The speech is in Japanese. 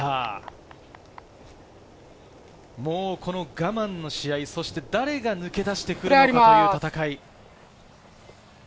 もう、この我慢の試合、そして、誰が抜け出してくるのかという戦い。